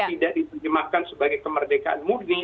tidak diterjemahkan sebagai kemerdekaan murni